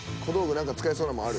何か使えそうなもんある？